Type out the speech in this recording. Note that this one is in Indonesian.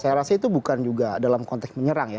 saya rasa itu bukan juga dalam konteks menyerang ya